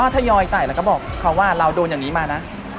ทยอยจ่ายแล้วก็บอกเขาว่าเราโดนอย่างนี้มานะ